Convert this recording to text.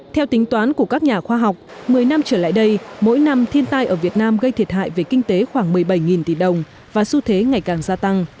theo tính toán của các nhà khoa học một mươi năm trở lại đây mỗi năm thiên tai ở việt nam gây thiệt hại về kinh tế khoảng một mươi bảy tỷ đồng và xu thế ngày càng gia tăng